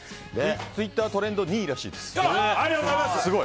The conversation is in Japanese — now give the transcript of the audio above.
ツイッタートレンド２位らしいです。